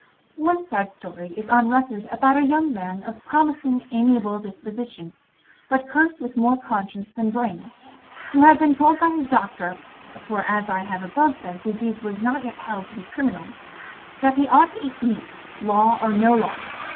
One sad story is on record about a young man of promising amiable disposition, but cursed with more conscience than brains, who had been told by his doctor (for as I have above said disease was not yet held to be criminal) that he ought to eat meat, law or no law.